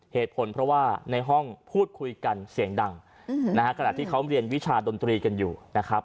เหตุผลเพราะว่าในห้องพูดคุยกันเสียงดังนะฮะขณะที่เขาเรียนวิชาดนตรีกันอยู่นะครับ